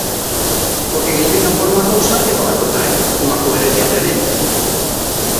Porque critican por unha cousa e pola contraria, unha coherencia tremenda.